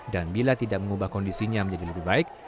dan bila tidak mengubah kondisinya menjadi lebih baik